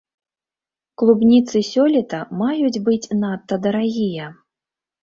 Клубніцы сёлета маюць быць надта дарагія.